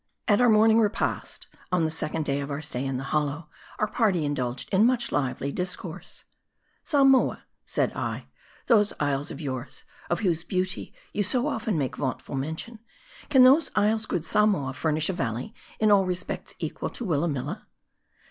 AT our morning repast on the second day of our stay in the hollow, our party indulged in much lively discourse. " Samoa," said I, " those isles of yours, of whose beauty you so often make vauntful mention, can those isles, good Samoa, furnish a valley in all respects equal to Willamilla?"